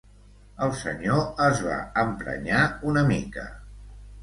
El senyor es va emprenyar una mica.